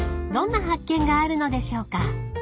［どんな発見があるのでしょうか］